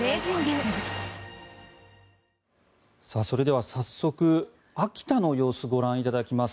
それでは早速秋田の様子をご覧いただきます。